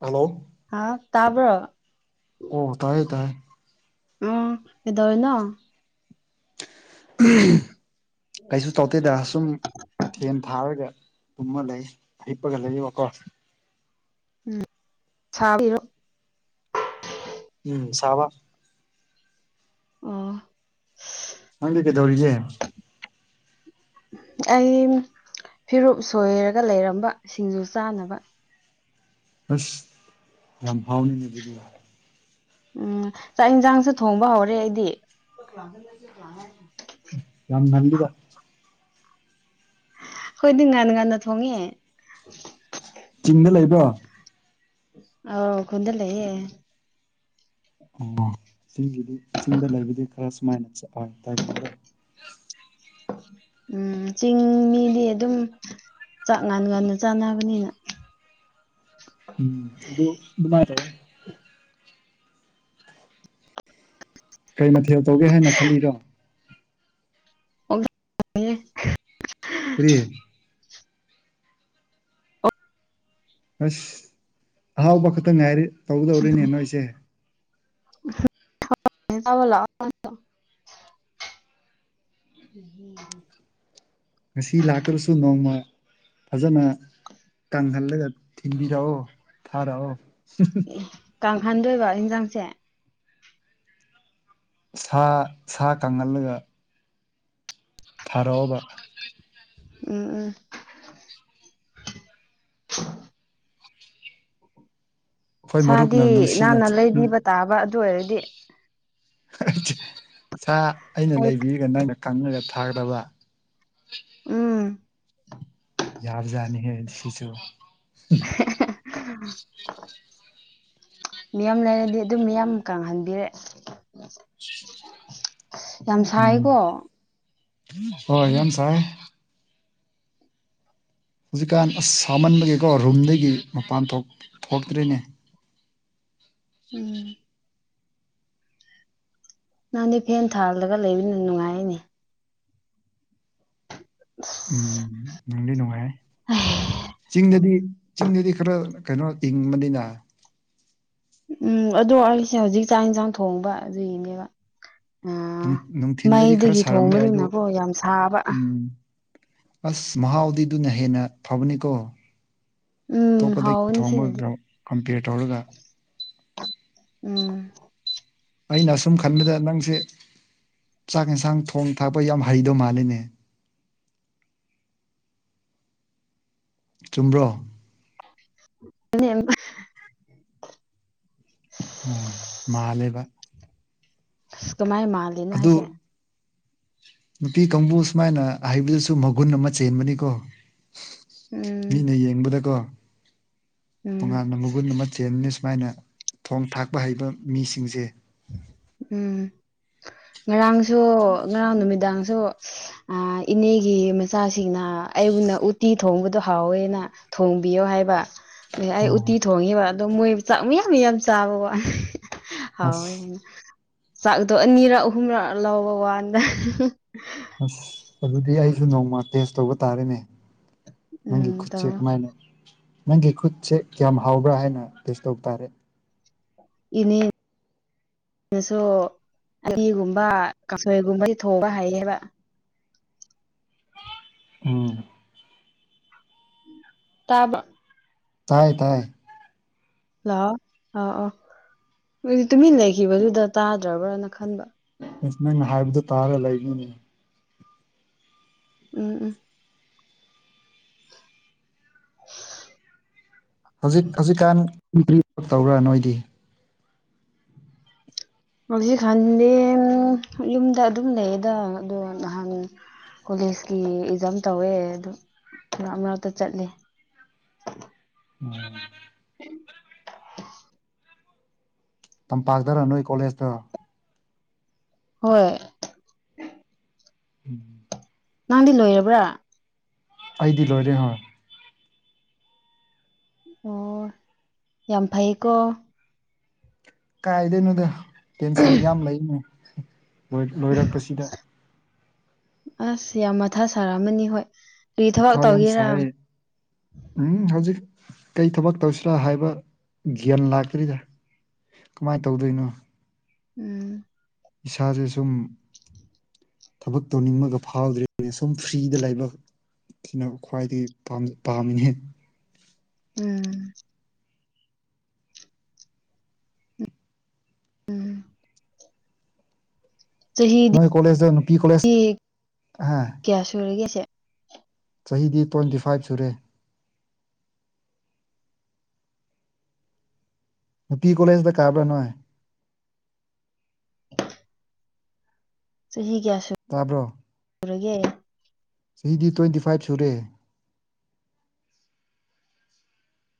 hello ꯍꯥ ꯇꯕ ꯑꯣ ꯇꯥꯏꯌꯦ ꯇꯥꯏ ꯎ ꯍꯗꯋꯅ ꯀꯩꯁꯨ ꯇꯧꯗꯦꯗ ꯁꯨꯝ ꯐꯦꯟ ꯊꯥꯔꯒ ꯇꯨꯝꯃ ꯂꯩ ꯂꯩ ꯏꯄꯒꯂ ꯏ ꯋꯥ ꯀꯣ ꯎꯝꯔꯣ ꯎꯝ ꯆꯕ ꯑꯣ ꯍꯪ ꯀꯗꯧꯔꯤꯒ ꯑꯩ ꯐꯤꯔꯨꯨꯞ ꯁꯣꯏꯔꯒ ꯂꯩꯔꯝꯕ ꯁꯤꯡꯖꯨ ꯆꯥꯅꯕ ꯑꯁ ꯌꯥꯝ ꯍꯥꯎꯅꯤꯅꯦ ꯑꯗꯨꯒꯤ ꯎꯝ ꯆꯥꯛ ꯌꯦꯟꯁꯥꯡꯁꯨ ꯊꯣꯡꯕ ꯍꯧꯔꯦ ꯑꯩꯗꯤ ꯌꯥꯝ ꯕꯤꯂꯗ ꯍꯣꯏꯗꯤ ꯉꯥꯟ ꯉꯟꯅ ꯊꯣꯡꯉꯦ ꯆꯤꯡꯗ ꯂꯩꯕ꯭ꯔꯣ ꯑ ꯈꯨꯟ ꯂꯩꯌꯦ ꯑꯣ ꯆꯤꯡꯒꯤꯗꯤ ꯆꯤꯡꯗ ꯂꯩꯕꯗꯤ ꯈꯔ ꯁꯨꯃꯥꯏꯅ ꯆꯠꯂꯣꯏ ꯇꯥꯏꯃꯤꯡꯗ ꯎꯝ ꯆꯤꯡ ꯃꯤꯗꯤ ꯑꯗꯨꯝ ꯆꯥꯛ ꯉꯥꯟ ꯉꯅ ꯆꯥꯅꯕꯅꯤꯅ ꯎꯝ ꯑꯗꯨ ꯑꯗꯨꯃꯥꯏ ꯇꯦ ꯀꯩ ꯃꯊꯦꯜ ꯇꯧꯒꯦ ꯍꯥꯏꯅ ꯈꯜꯂꯤꯔꯣ ꯑꯣ ꯀꯔꯤ ꯑꯁ ꯑꯍꯥꯎꯕ ꯈꯛꯇꯪ ꯉꯥꯏꯔꯤ ꯇꯧꯗꯧꯔꯤꯅꯦꯅ ꯑꯩꯁꯦ [unintelligible] ꯉꯁꯤ ꯂꯥꯛꯇ꯭ꯔꯁꯨ ꯅꯣꯡꯃ ꯐꯖꯅ ꯀꯪꯍꯜꯂꯒ ꯊꯤꯟꯕꯤꯔꯛꯑꯣ ꯊꯥꯔꯛꯑꯣ ꯀꯥꯡꯍꯟꯗꯣꯏꯕ ꯌꯦꯟꯁꯥꯡꯁꯦ ꯁꯥ ꯁꯥ ꯀꯪꯍꯜꯂꯒ ꯊꯔꯣ ꯎꯝ ꯎꯝ ꯑꯩꯈꯣꯏ ꯃꯔꯨꯞꯅ ꯁꯥꯗꯤ ꯅꯨꯡꯁꯤꯅ ꯅꯍꯟꯅ ꯂꯩꯕꯤꯕ ꯇꯥꯕ ꯑꯗꯨ ꯑꯣꯏꯔꯗꯤ ꯁꯥ ꯑꯩꯅ ꯑꯩ ꯂꯩꯕꯤꯔꯒ ꯅꯪꯅ ꯀꯪꯉꯒ ꯊꯥꯒꯗꯕ ꯎꯝ ꯌꯥꯔꯖꯅꯤ ꯍꯦ ꯁꯤꯁꯨ ꯎꯝ ꯃꯤꯌꯥꯝ ꯂꯩꯔꯗꯤ ꯑꯗꯨꯝ ꯃꯤꯌꯥꯝ ꯀꯪꯍꯟꯕꯤꯔꯦ ꯌꯥꯝ ꯎꯝ ꯁꯥꯏꯀꯣ ꯍꯣꯏ ꯌꯦꯟꯁꯥꯏ ꯍꯧꯖꯤꯛꯀꯥꯟ ꯑꯁ ꯁꯥꯃꯟꯕꯒꯤꯀꯣ ꯔꯨꯝꯗꯒꯤ ꯃꯄꯥꯟ ꯊꯣꯛ ꯊꯣꯛꯇ꯭ꯔꯤꯅꯦ ꯎꯝ ꯅꯪꯅꯦ ꯐꯦꯟ ꯊꯥꯜꯂꯒ ꯂꯩꯕꯅ ꯅꯨꯡꯉꯥꯏꯅꯦ ꯎꯝ ꯅꯪꯗꯤ ꯅꯨꯡꯉꯥꯏꯍꯦ ꯑꯁ ꯆꯤꯡꯗꯗꯤ ꯆꯤꯡꯗꯗꯤ ꯈꯔ ꯀꯩꯅꯣ ꯏꯤꯡꯕꯅꯤꯅ ꯎꯝ ꯑꯗꯣ ꯑꯩꯁꯦ ꯍꯧꯖꯤꯛ ꯆꯥꯛ ꯌꯦꯟꯁꯥꯡ ꯊꯣꯡꯕ ꯑꯗꯨꯒꯤꯅꯦꯕ ꯑ ꯅꯨꯡꯊꯤꯟꯗꯗꯤ ꯈꯔ ꯃꯩꯗꯒꯤ ꯁꯥꯔꯝꯕ ꯌꯥꯏ ꯑꯗꯨ ꯊꯣꯡꯕꯗꯨꯅꯀꯣ ꯌꯥꯝ ꯁꯥꯕ ꯎꯝ ꯑꯁ ꯃꯍꯥꯎꯥꯎꯗꯤꯤꯗꯨꯅ ꯍꯦꯟꯅ ꯐꯕꯅꯤꯀꯣ ꯎꯝ ꯑꯇꯣꯞꯄꯗꯒꯤ ꯍꯥꯎꯕꯅꯤ ꯁꯤꯅꯗꯤ ꯊꯣꯡꯕꯒ ꯀꯝꯄꯤꯌꯔ ꯇꯧꯔꯒ ꯎꯝ ꯑꯩꯅ ꯑꯁꯨꯝ ꯈꯟꯕꯗ ꯅꯪꯁꯦ ꯆꯥꯛ ꯌꯦꯟꯁꯥꯡ ꯊꯣꯡ ꯊꯥꯛꯄ ꯌꯥꯝ ꯍꯩꯗꯧ ꯃꯥꯜꯂꯤꯅꯦ ꯆꯨꯝꯕ꯭ꯔꯣ [unintelligible] ꯑꯣ ꯃꯥꯜꯂꯦꯕ ꯑꯁ ꯀꯃꯥꯏ ꯃꯥꯜꯂꯤꯅꯣ ꯑꯗꯨ ꯍꯥꯏꯁꯦ ꯅꯨꯄꯤ ꯀꯥꯡꯕꯨ ꯁꯨꯃꯥꯏꯅ ꯍꯩꯕꯗꯨꯁꯨ ꯃꯒꯨꯟ ꯑꯃ ꯆꯦꯟꯕꯅꯤꯀꯣ ꯎꯝ ꯃꯤꯅ ꯌꯦꯡꯕꯗꯀꯣ ꯎꯝ ꯇꯣꯉꯥꯟꯅ ꯃꯒꯨꯟ ꯑꯃ ꯆꯦꯟꯕꯅ ꯁꯨꯃꯥꯏꯅ ꯊꯣꯡ ꯊꯥꯛꯄ ꯍꯩꯕ ꯃꯤꯁꯤꯡꯁꯦ ꯎꯝ ꯉꯔꯥꯡꯁꯨ ꯉꯔꯥꯡ ꯅꯨꯃꯤꯗꯥꯡꯁꯨ ꯏꯅꯦꯒꯤ ꯃꯆꯥꯁꯤꯡꯅ ꯑꯩꯕꯨꯅ ꯎꯇꯤ ꯊꯣꯡꯕꯗꯣ ꯍꯥꯎꯋꯦꯅ ꯊꯣꯡꯕꯤꯌꯣ ꯍꯥꯏꯕ ꯑꯩ ꯑꯣ ꯎꯇꯤ ꯊꯣꯡꯉꯤꯕ ꯑꯣ ꯃꯣꯏ ꯃꯌꯥꯝ ꯌꯥꯝ ꯆꯥꯕ ꯋꯥꯠꯅꯤ ꯑꯁ ꯍꯥꯎꯏ ꯍꯥꯏꯅ ꯆꯥꯛꯗꯣ ꯑꯅꯤꯔꯛ ꯑꯍꯨꯝꯔꯛ ꯂꯧꯕ ꯋꯥꯗ ꯑꯁ ꯑꯗꯨꯗꯤ ꯑꯩꯁꯨ ꯅꯣꯡꯃ ꯇꯦꯁ ꯇꯧꯕ ꯇꯥꯔꯦꯅꯦ ꯅꯪꯒꯤ ꯎꯝ ꯈꯨꯠꯁꯦ ꯇꯧ ꯀꯃꯥꯏꯅ ꯅꯪꯒꯤ ꯈꯨꯠꯁꯦ ꯀꯌꯥꯝ ꯍꯥꯎꯕ꯭ꯔꯥ ꯍꯥꯏꯅ ꯇꯦꯁ ꯇꯧꯕ ꯇꯥꯔꯦ ꯏꯅꯦ ꯑꯩꯅꯁꯨ ꯑꯅꯤꯒꯨꯝꯕ ꯀꯥꯁꯣꯏꯒꯨꯝꯕ ꯊꯣꯡꯕ ꯍꯩꯌꯦꯕ ꯎꯝ ꯇꯥꯕ ꯇꯥꯏ ꯇꯥꯏ ꯍꯜꯂꯣꯑꯣ ꯑꯥ ꯑ ꯑꯗꯨꯗꯤ ꯇꯨꯃꯤꯟ ꯂꯩꯈꯤꯕꯗꯨꯗ ꯇꯥꯗ꯭ꯔꯕ꯭ꯔꯅ ꯈꯟꯕ ꯑꯁ ꯅꯪꯅ ꯍꯥꯏꯕꯗꯨꯣ ꯇꯥꯔ ꯂꯩꯒꯅꯦ ꯎꯝ ꯎꯝ [inaudible] ꯍꯧꯖꯤꯛ ꯍꯧꯖꯤꯛꯀꯥꯟ ꯇꯧꯕ꯭ꯔꯥ ꯅꯣꯏꯗꯤ ꯍꯧꯖꯤꯛ ꯈꯥꯟꯗ ꯌꯨꯝꯗ ꯑꯗꯨꯝ ꯂꯩꯌꯦꯗ ꯑꯗꯣ ꯅꯍꯥꯟ ꯀꯣꯂꯦꯖꯀꯤ ꯑꯦꯛꯖꯥꯝ ꯇꯧꯋꯦ ꯑꯗꯨ ꯃꯅꯥꯛꯇ ꯆꯠꯂꯦ [inaudible] ꯎꯝ ꯇꯝꯄꯥꯛꯇꯔ ꯅꯣꯏ ꯀꯣꯂꯦꯖꯇ ꯍꯣꯏ ꯎꯝ ꯅꯪꯗꯤ ꯂꯣꯏꯔꯕ꯭ꯔꯥ ꯑꯩꯗꯤ ꯂꯣꯏꯔꯦ ꯍꯣꯏ ꯑꯣ ꯌꯥꯝ ꯐꯩꯀꯣ ꯀꯥꯏꯗꯣꯏꯅꯣꯗ ꯇꯦꯟꯁꯟ ꯌꯥꯝ ꯂꯩꯅꯦ ꯂꯣꯏꯔꯛꯄꯁꯤꯗ ꯑꯁ ꯌꯥꯝ ꯃꯊꯥ ꯁꯥꯔꯛꯑꯃ ꯍꯣꯏ ꯀꯔꯤ ꯊꯕꯛ ꯀꯥꯎ ꯌꯥꯝ ꯇꯧꯒꯦꯔꯥ ꯁꯥꯏ ꯎꯝ ꯍꯧꯖꯤꯛ ꯀꯩ ꯊꯕꯛ ꯇꯧꯁꯤꯔꯥ ꯍꯥꯏꯕ ꯒ꯭ꯌꯥꯟ ꯂꯥꯛꯀ꯭ꯔꯤꯗ ꯀꯃꯥꯏꯅ ꯇꯧꯗꯣꯏꯅꯣ ꯎꯝ ꯏꯁꯥꯁꯦ ꯁꯨꯝ ꯊꯕꯛ ꯇꯧꯅꯤꯡꯕꯒ ꯐꯥꯎꯗ꯭ꯔꯤꯕꯅꯦ ꯁꯨꯝ ꯐ꯭ꯔꯤꯗ ꯂꯥꯏꯕꯛ ꯁꯤꯅ ꯈ꯭ꯋꯥꯏꯗꯒꯤ ꯄꯥꯝꯃꯤꯅꯦ ꯎꯝ ꯎꯝ ꯆꯍꯤꯗꯤ ꯅꯣꯏ ꯀꯂꯦꯖꯗ ꯅꯨꯄꯤ ꯀꯂꯦꯖ ꯑ ꯀꯌꯥ ꯁꯨꯔꯒꯦ ꯁꯦ ꯆꯍꯤꯗꯤ ꯇ꯭ꯋꯦꯟꯇꯤ ꯐꯥꯏꯚ ꯁꯨꯔꯦ ꯀ ꯀꯁꯗ ꯀꯥꯕꯔ ꯅꯣꯏ [inaudible] ꯆꯍꯤ ꯀꯌꯥ ꯀꯥꯕ꯭ꯔꯣ ꯁꯨꯔꯒꯦ ꯑꯩ ꯏꯤꯗꯤ ꯇ꯭ꯋꯦꯟꯇꯤ ꯐꯥꯏꯚ ꯁꯨꯔꯦ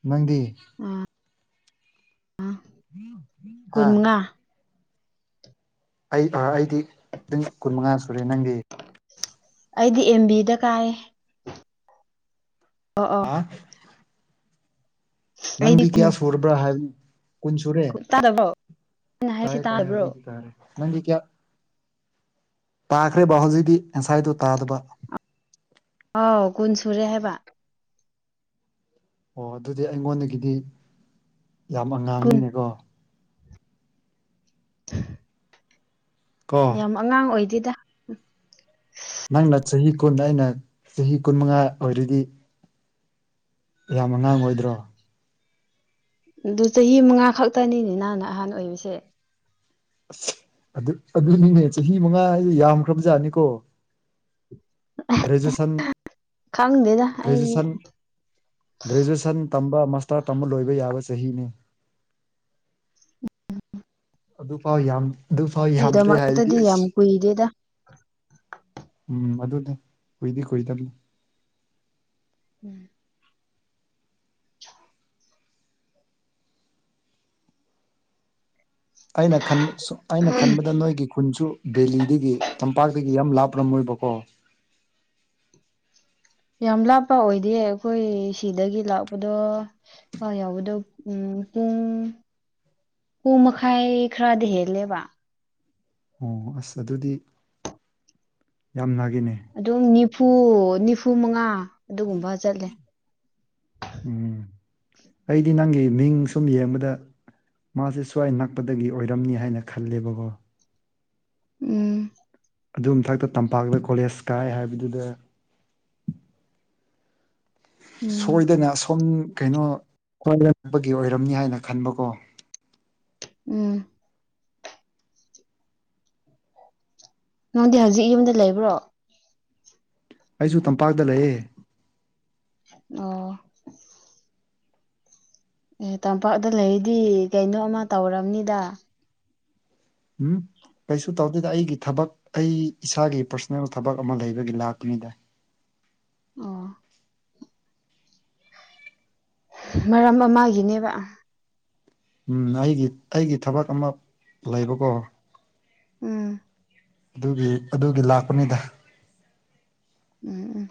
ꯅꯪꯗꯤ ꯑꯥ ꯎꯝ ꯀꯨꯟꯃꯉꯥ ꯑꯩ ꯑꯩꯗꯤ ꯄꯨꯡ ꯀꯨꯟꯃꯉꯥ ꯁꯨꯔꯦ ꯅꯪꯒꯤ ꯑꯩꯗꯤ ꯑꯦꯝꯕꯤꯗ ꯀꯥꯏ ꯑꯣ ꯑꯣ ꯍꯥ ꯑꯩꯗꯤ ꯅꯪꯗꯤ ꯀꯨꯟ ꯀꯌꯥ ꯁꯨꯔꯕ꯭ꯔꯥ ꯍꯥꯏꯕꯅꯤ ꯀꯨꯟ ꯁꯨꯔꯦ ꯇꯥꯗꯕ꯭ꯔꯣ ꯑꯩꯅ ꯍꯥꯏꯁꯤ ꯇꯌꯦ ꯇꯥꯌꯦ ꯇꯥꯗꯕ꯭ꯔꯣ ꯍꯧꯖꯤꯗꯤ ꯇꯥꯔꯦ ꯅ ꯀꯌꯥ ꯇꯥꯈ꯭ꯔꯦ ꯕꯥꯍꯣꯖꯤꯗꯤ ꯉꯁꯥꯏꯗꯨ ꯇꯥꯗꯕ ꯑꯥꯎꯒꯨꯟ ꯁꯨꯔꯦ ꯍꯥꯏꯕ ꯑꯣ ꯑꯗꯨꯗꯤ ꯑꯩꯉꯣꯟꯗꯒꯤꯗꯤ ꯌꯥꯝ ꯀꯨꯟ ꯑꯉꯥꯡꯅꯤꯅꯦꯀꯣ ꯀꯣ ꯌꯥꯝ ꯑꯉꯥꯡ ꯑꯣꯏꯗꯦꯗ ꯅꯪꯅ ꯆꯍꯤ ꯀꯨꯟ ꯑꯩꯅ ꯆꯍꯤ ꯀꯨꯟ ꯃꯉꯥ ꯑꯣꯏꯔꯗꯤ ꯌꯥꯝ ꯑꯉꯥꯡ ꯑꯣꯏꯗ꯭ꯔꯣ ꯑꯗꯨ ꯆꯍꯤ ꯃꯉꯥ ꯈꯛꯇꯅꯤꯅꯤ ꯅꯍꯥꯟꯅ ꯑꯍꯥꯟ ꯑꯣꯏꯕꯁꯦ ꯑꯁ ꯑꯗꯨ ꯑꯗꯨꯅꯤꯅꯦ ꯆꯍꯤ ꯃꯉꯥ ꯌꯥꯝꯈ꯭ꯔꯕꯖꯥꯠꯅꯤꯀꯣ ꯒ꯭ꯔꯦꯖꯨꯋꯁꯟ ꯈꯪꯗꯦꯗ ꯑꯩ ꯭ꯔꯦꯖꯨꯌꯦꯁꯟ ꯒ꯭ꯔꯦꯖꯨꯌꯦꯦꯁꯟ ꯇꯝ ꯃꯁꯇꯥ ꯇꯝꯕ ꯂꯣꯏꯕ ꯌꯥꯕ ꯆꯍꯤꯅꯤ ꯑꯗꯨꯐꯥꯎ ꯌꯥꯝ ꯑꯗꯨ ꯐꯥꯎ ꯌꯥꯝꯗ꯭ꯔꯦ ꯍꯥꯏꯔꯗꯤ ꯑꯩꯒꯤꯗꯃꯛꯇꯗꯤ ꯌꯥꯝ ꯑꯩꯁ ꯀꯨꯏꯗꯦꯗ ꯎꯝ ꯑꯗꯨ ꯑꯣꯏꯣꯏꯗꯤ ꯀꯣꯏ ꯇꯅꯤ ꯎꯝ ꯑꯩꯅ ꯈꯟꯕ ꯁ ꯑꯩꯅ ꯈꯟꯕꯗ ꯅꯣꯏꯒꯤ ꯈꯨꯟꯁꯨ ꯕꯦꯂꯤꯗꯒꯤ ꯇꯝꯄꯥꯛꯇ ꯌꯥꯝ ꯂꯥꯞꯔꯝꯃꯣꯏꯕꯀꯣ ꯌꯥꯝ ꯂꯥꯞꯄ ꯑꯣꯏꯗꯦ ꯑꯩꯈꯣꯏ ꯁꯤꯗꯒꯤ ꯂꯥꯛꯄꯗꯣ ꯊ ꯌꯥꯎꯕꯗꯣ ꯎꯝ ꯄꯨꯡ ꯄꯨꯡ ꯃꯈꯥꯏ ꯈꯔꯗꯤ ꯍꯦꯜꯂꯦꯕ ꯑꯣ ꯑꯁ ꯑꯗꯨꯗꯤ ꯌꯥꯝ ꯦ ꯑꯗꯨꯝ ꯅꯤꯐꯨ ꯅꯤꯐꯨ ꯃꯉꯥ ꯑꯗꯨꯒꯨꯝꯕ ꯆꯠꯂꯦ ꯎꯝ ꯑꯩꯗꯤ ꯅꯪꯒꯤ ꯃꯤꯡ ꯁꯨꯝ ꯌꯦꯡꯕꯗ ꯃꯥꯁꯦ ꯁ꯭ꯋꯥꯏ ꯅꯛꯄꯗꯒꯤ ꯑꯣꯏꯔꯝꯅꯤ ꯍꯥꯏꯅ ꯈꯜꯂꯦꯕꯀꯣ ꯎꯝ ꯑꯗꯨ ꯃꯊꯛꯇ ꯇꯝꯄꯥꯛꯇ ꯀꯣꯂꯦꯖ ꯀꯥꯏ ꯍꯥꯏꯕꯗꯨꯗ ꯎꯝ ꯁꯣꯏꯗꯅ ꯑꯁꯣꯝ ꯀꯩꯅꯣ ꯈ꯭ꯏꯔꯝꯕꯒꯤ ꯑꯣꯏꯔꯝꯅꯤ ꯍꯥꯏꯅ ꯈꯟꯕꯀꯣ ꯎꯝ ꯅꯪꯗꯤ ꯍꯧꯖꯤꯛ ꯌꯨꯝꯗ ꯂꯩꯕ꯭ꯔꯣ ꯑꯩꯁꯨ ꯇꯝꯄꯥꯛꯇ ꯂꯩꯑꯦ ꯑꯣ ꯑꯦ ꯇꯝꯄꯥꯛꯇ ꯂꯩꯔꯗꯤ ꯀꯩꯅꯣꯃ ꯇꯧꯝꯅꯤꯗ ꯎꯝ ꯀꯩꯁꯨ ꯇꯧꯗꯣꯏꯗ ꯑꯩꯒꯤ ꯊꯕꯛ ꯑꯩ ꯏꯁꯥꯒꯤ ꯄꯔꯁꯣꯅꯦꯜ ꯊꯕꯛ ꯑꯃ ꯂꯩꯕꯒꯤ ꯂꯥꯛꯄꯅꯤꯗ ꯑ ꯃꯔꯝ ꯑꯃꯒꯤꯅꯦꯕ ꯎꯝ ꯑꯩꯒꯤ ꯑꯩꯒꯤ ꯊꯕꯛ ꯑꯃ ꯂꯩꯕꯀꯣ ꯎꯝ ꯑꯗꯨꯒꯤ ꯑꯗꯨꯒꯤ ꯂꯥꯛꯄꯅꯤꯗ ꯎꯝ ꯎꯝ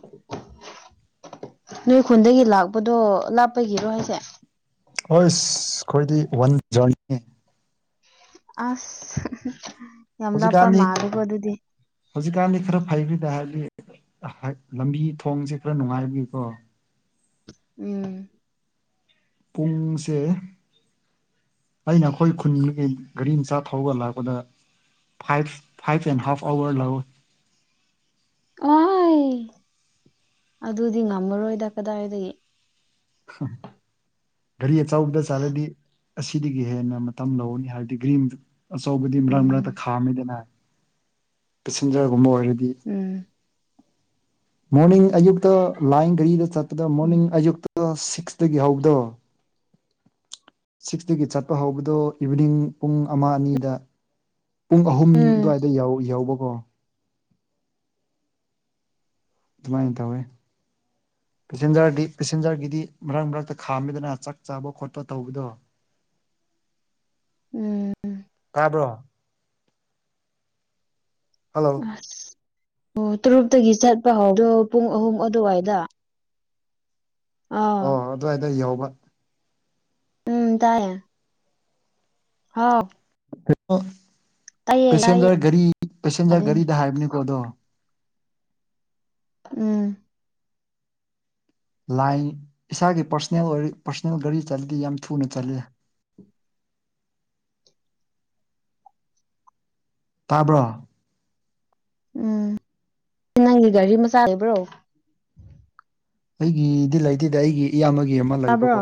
ꯅꯣꯏ ꯈꯨꯟꯗꯒꯤ ꯂꯥꯛꯄꯗꯣ ꯂꯥꯞꯄꯒꯤꯔꯣ ꯍꯥꯏꯁꯦ ꯍꯣꯏ ꯑꯩꯈꯣꯏꯗꯤ ꯋꯥꯟ ꯖꯔꯅꯤ ꯑꯁ ꯌꯥꯝ ꯂꯥꯞꯄ ꯍꯧꯖꯤꯛꯀꯥꯟꯗꯤ ꯃꯥꯜꯂꯦꯀꯣ ꯑꯗꯨꯗꯤ ꯍꯧꯖꯤꯛꯀꯥꯟꯗꯤ ꯈꯔ ꯐꯩꯕꯤꯗꯍꯜꯂꯤ ꯂꯝꯕꯤ ꯊꯣꯡꯁꯦ ꯈꯔ ꯅꯨꯡꯉꯥꯏꯕꯒꯤꯀꯣ ꯎꯝ ꯄꯨꯡꯁꯦ ꯑꯩꯅ ꯑꯩꯈꯣꯏ ꯈꯨꯟꯒꯤ ꯒꯥꯔꯤ ꯃꯆꯥ ꯊꯧꯔꯒ ꯂꯥꯛꯄꯗ ꯐꯥꯏꯚ ꯐꯥꯏꯚ ꯑꯦꯟ ꯍ ꯍꯥꯐ ꯑꯋꯥꯔ ꯂꯥꯛꯑꯣ [inaudible] [unintelligible] ꯋꯥꯍꯥꯏ ꯑꯗꯨꯗꯤ ꯉꯝꯃꯔꯣꯏꯗ ꯀꯗꯥꯏꯗꯒꯤ ꯒꯥꯔꯤ ꯑꯆꯥꯎꯕꯗ ꯆꯥꯂꯗꯤ ꯑꯁꯤꯗꯒꯤ ꯍꯦꯟꯅ ꯃꯇꯝ ꯂꯧꯅꯤ ꯍꯥꯏꯕꯗꯤ ꯒ꯭ꯔꯤꯟ ꯑꯆꯧꯕꯗꯤ ꯃꯔꯛ ꯃꯔꯛꯇ ꯎꯝ ꯈꯥꯝꯃꯤꯗꯅ ꯄꯦꯁꯦꯟꯖꯔꯒꯨꯝꯕ ꯑꯣꯏꯔꯗꯤ ꯎꯝ ꯃꯣꯔꯅꯤꯡ ꯑꯌꯨꯛꯇ ꯂꯥꯏꯟ ꯘꯔꯤꯗ ꯆꯠꯄꯗ ꯎꯝ ꯃꯣꯔꯅꯤꯡ ꯑꯌꯨꯛꯇ ꯀ꯭ꯂꯥꯁ ꯁꯤꯛꯁꯇꯒꯤ ꯍꯧꯗꯣ ꯁꯤꯛꯁꯇꯒꯤ ꯆꯠꯄ ꯍꯧꯕꯗꯣ ꯏꯚꯤꯅꯤꯡ ꯄꯨꯡ ꯑꯃ ꯑꯅꯤꯗ ꯄꯨꯡ ꯑꯍꯨꯝ ꯎꯝ ꯑꯗꯨꯋꯥꯏꯗ ꯌꯥꯎꯕꯀꯣ ꯑꯗꯨꯃꯥꯏꯅ ꯇꯧꯋꯦ [unintelligible] ꯄꯦꯁꯦꯟꯖꯔꯗꯤ ꯄꯦꯁꯦꯟꯖꯔꯒꯤꯗꯤ ꯃꯔꯛ ꯃꯔꯛꯇ ꯈꯥꯝꯃꯤꯗꯅ ꯆꯥꯛ ꯆꯥꯕ ꯈꯣꯠꯄ ꯇꯧꯕꯗꯣ [unintelligible] ꯎꯝ ꯇꯥꯕ꯭ꯔꯣ ꯍꯜꯂꯣ ꯑꯁ ꯑꯣ ꯇꯔꯨꯛꯇꯒꯤ ꯆꯠꯄ ꯍꯧꯗꯣ ꯄꯨꯡ ꯑꯍꯨꯝ ꯑꯗꯨꯋꯥꯏꯗ ꯑꯥ ꯑꯣ ꯑꯗꯨꯋꯥꯏꯗ ꯌꯎꯧꯕ ꯎꯝ ꯇꯥꯏꯦ ꯍꯥꯥꯎ ꯀꯩꯅꯣ ꯇꯥꯏꯌꯦ ꯄꯦꯁꯦꯟꯖꯔ ꯒꯥꯔꯤ ꯄꯦꯁꯦꯟꯖꯔ ꯒꯥꯔꯤꯗ ꯍꯥꯏꯕꯅꯤ ꯀꯣꯗꯣ ꯎꯝ ꯂꯥꯏꯟ ꯏꯁꯥꯒꯤ ꯄꯔꯁꯣꯅꯦꯜ ꯑꯣꯏ ꯄꯔꯁꯣꯅꯦꯜ ꯒꯥꯔꯤ ꯆꯠꯗꯤ ꯌꯥꯝ ꯊꯨꯅ ꯆꯠꯂ ꯎꯝ ꯇꯥꯕ꯭ꯔꯣ ꯎꯝ ꯅꯪꯒꯤ ꯒꯥꯔꯤ ꯃꯆꯥ ꯂꯩꯕ꯭ꯔꯣ ꯑꯩꯒꯤꯗꯤ ꯂꯩꯇꯦꯗ ꯑꯩꯒꯤ ꯏꯌꯥꯝꯕꯒꯤ ꯑꯃ ꯇꯥꯕ꯭ꯔꯣ ꯂꯩꯕꯀꯣ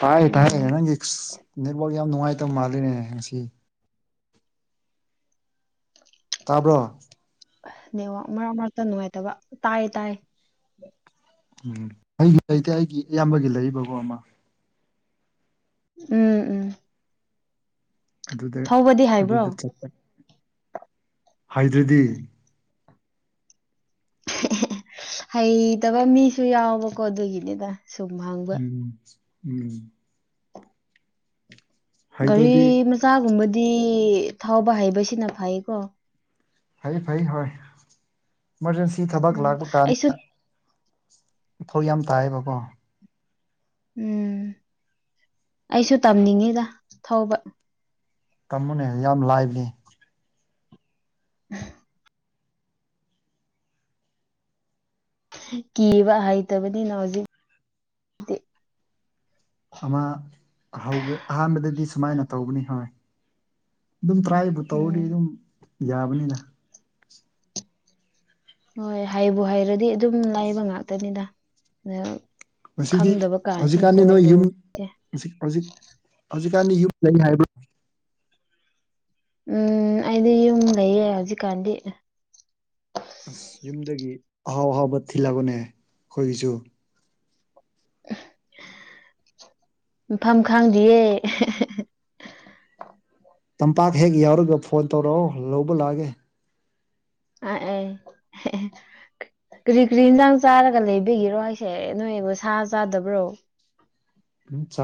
ꯇꯥꯏ ꯇꯌꯦ ꯎꯝ ꯅꯪ ꯅꯣꯜ ꯌꯥꯝ ꯅꯨꯡꯉꯥꯏꯇꯕ ꯃꯥꯜꯂꯤꯅꯦ ꯉꯁꯤ ꯇꯥꯕ꯭ꯔꯣ ꯅ ꯃꯔꯛ ꯃꯔꯛꯇ ꯅꯨꯡꯉꯥꯏꯇꯕ ꯇꯥꯏ ꯇꯥꯏ ꯎꯝ ꯑꯩꯒꯤ ꯂꯩꯇꯦ ꯑꯩꯒꯤ ꯏꯌꯥꯝꯕꯒꯤ ꯂꯩꯔꯤꯕꯒꯣ ꯑꯃ ꯎꯝ ꯎꯝ ꯑꯗꯨꯗ ꯊꯧꯕꯗꯤ ꯍꯩꯕ꯭ꯔꯣ ꯑꯗꯨꯗ ꯆꯠꯄ ꯍꯥꯏꯗ꯭ꯔꯗꯤ ꯍꯩꯇꯕ ꯃꯤꯁꯨ ꯌꯥꯎꯕꯀꯣ ꯑꯗꯨꯒꯤꯅꯤꯗ ꯁꯨꯝ ꯍꯥꯡꯕ ꯎꯝ ꯎꯝ ꯒꯥꯔꯤ ꯍꯩꯇ꯭ꯔꯗꯤ ꯃꯆꯥꯒꯨꯝꯕꯗꯤ ꯊꯥꯎꯕ ꯍꯩꯕꯁꯤꯅ ꯐꯩꯀꯣ ꯐꯩ ꯐꯩ ꯍꯣꯏ ꯏꯃꯥꯔꯖꯦꯟꯁꯤ ꯊꯕꯛ ꯎꯝ ꯂꯥꯛꯄ ꯑꯩꯁꯨ ꯀꯥꯟꯗ ꯐꯧ ꯌꯥꯝ ꯇꯥꯏꯌꯦꯕꯀꯣ ꯎꯝ ꯑꯩꯁꯨ ꯇꯝꯅꯤꯡꯉꯤꯗ ꯊꯧꯕ ꯇꯃꯣꯅꯦ ꯌꯥꯝ ꯂꯥꯏꯕꯅꯦ ꯎ ꯀꯤꯕ ꯍꯩꯇꯕꯅꯤ ꯅꯎꯖꯤ ꯑꯃ ꯑꯍꯥꯟꯕꯗꯗꯤ ꯁꯨꯃꯥꯏꯅ ꯇꯧꯕꯅꯤ ꯍꯣꯏ ꯑꯗꯨꯝ ꯇ꯭ꯔꯥꯏꯕꯨ ꯇꯧꯗꯤ ꯎꯝ ꯑꯗꯨꯝ ꯌꯥꯕꯅꯤꯅ ꯍꯣꯏ ꯍꯥꯏꯕꯨ ꯍꯥꯏꯔꯗꯤ ꯑꯗꯨꯝ ꯂꯥꯏꯕ ꯉꯥꯛꯇꯅꯤꯅ ꯑ ꯃꯁꯤꯗꯤ ꯍꯧꯖꯤꯛꯀꯥꯟꯗꯤ ꯅꯣꯏ ꯌꯨꯝ ꯍꯧꯖꯤꯛ ꯍꯧꯖꯤꯛ ꯆꯅꯤ ꯌꯨꯝ ꯂꯩ ꯍꯥꯏꯕ ꯎꯝ ꯑꯩꯗꯤ ꯌꯨꯝ ꯂꯩꯌꯦ ꯍꯧꯖꯤꯛꯀꯥꯟꯗꯤ ꯑꯁ ꯌꯨꯝꯗꯒꯤ ꯑꯍꯥꯎ ꯑꯍꯥꯎꯕ ꯊꯤꯜꯂꯛꯕꯅꯦ ꯑꯩꯈꯣꯏꯒꯤꯁꯨ [unintelligible] ꯃꯐꯝꯐꯝ ꯈꯪꯗꯤ꯭ꯌꯦ ꯇꯝꯄꯥꯛ ꯍꯦꯛ ꯌꯥꯎꯔꯒ ꯐꯣꯟ ꯇꯧꯔꯛꯑꯣ ꯂꯧꯕ ꯂꯥꯛꯑꯒꯦ ꯑ ꯑꯦ ꯀꯔꯤ ꯀꯔꯤ ꯌꯦꯟꯁꯥꯡ ꯆꯥꯔꯒ ꯂꯩꯕꯤꯒꯤꯔꯣ ꯑꯩꯁꯦ ꯅꯣꯏꯕꯨ ꯁꯥ ꯆꯥꯗꯕ꯭ꯔꯣ ꯎꯝ ꯆ